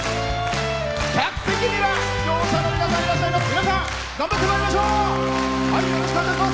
客席には出場者の皆さんがいらっしゃっています。